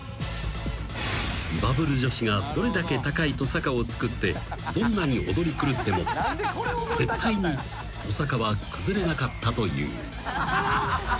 ［バブル女子がどれだけ高いトサカを作ってどんなに踊り狂っても絶対にトサカは崩れなかったという］